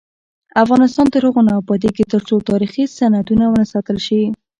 افغانستان تر هغو نه ابادیږي، ترڅو تاریخي سندونه وساتل نشي.